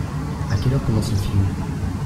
À quelle heure commence le film ?